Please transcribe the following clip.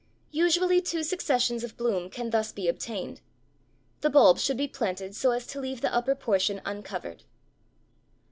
Usually two successions of bloom can thus be obtained. The bulb should be planted so as to leave the upper portion uncovered.